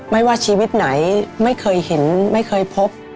ไม่ว่าชีวิตไหนไม่เคยเห็นไม่เคยพบ